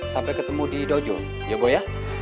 sampai ketemu di dojo ya boy ya